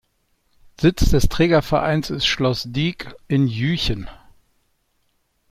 Sitz des Trägervereins ist Schloss Dyck in Jüchen.